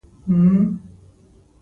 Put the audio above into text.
وژنه د ټولنې د خوښیو پای دی